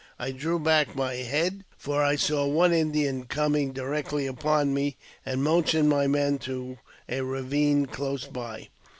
I drew back my head, for I saw one Indian coming directly upon me, and motioned my men to a ravine close by.